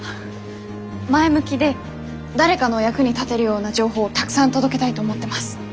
前向きで誰かの役に立てるような情報をたくさん届けたいと思ってます。